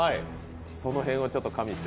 その辺をちょっと加味して。